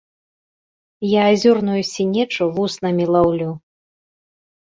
Я азёрную сінечу вуснамі лаўлю.